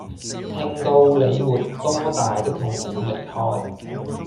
聽到你沒多大的痛苦離開